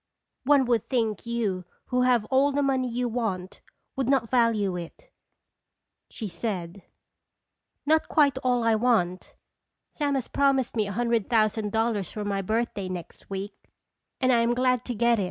"One would think you, who have all the money you want, would not value it," she said. " Not quite all I want. Sam has promised me a hundred thousand dollars for my birth day, next week, and I am glad to get it."